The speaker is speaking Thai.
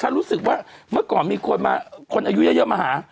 ถ้ารู้สึกว่าเมื่อก่อนมีคนมาคนอายุเยอะมาหา